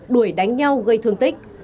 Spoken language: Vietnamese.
đuổi đánh nhau gây thương tích